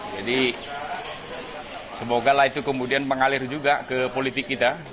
jadi semoga lah itu kemudian mengalir juga ke politik kita